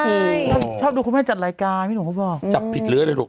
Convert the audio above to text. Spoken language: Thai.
ชอบดูคุณแม่จัดรายการพี่หนุ่มก็บอกจับผิดเลื้อเลยลูก